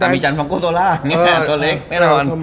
มีจันทร์ของโกโซล่าตัวเล็ก